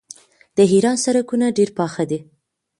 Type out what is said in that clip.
د ایران سړکونه ډیر پاخه دي.